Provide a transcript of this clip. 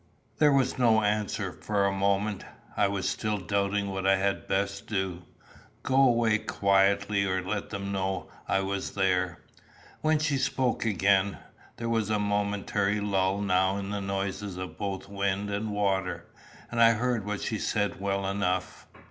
There was no answer for a moment. I was still doubting what I had best do go away quietly or let them know I was there when she spoke again. There was a momentary lull now in the noises of both wind and water, and I heard what she said well enough.